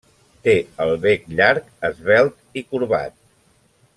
Té el bec llarg, esvelt i corbat.